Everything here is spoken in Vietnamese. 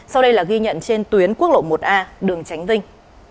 sau đây là ghi nhận trên tuyến quốc lộ một a đường tránh vinh